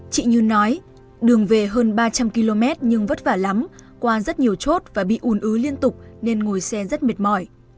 chị như nói đường về hơn ba trăm linh km nhưng vất vả lắm qua rất nhiều chốt và bị ùn ứ liên tục nên ngồi xe rất mệt mỏi